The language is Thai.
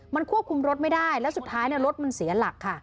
มันควบคุมรถไม่ได้แล้วสุดท้ายรถมันเสียหลักค่ะ